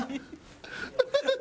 ハハハハ！